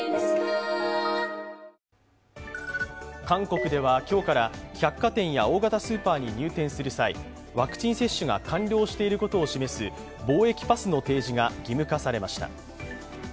韓国では今日から百貨店や大型スーパーに入店する際ワクチン接種が完了していることを示す防疫パスの提示が義務化されました。